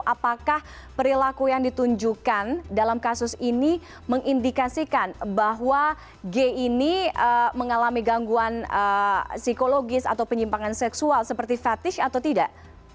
apakah perilaku yang ditunjukkan dalam kasus ini mengindikasikan bahwa g ini mengalami gangguan psikologis atau penyimpangan seksual seperti fetish atau tidak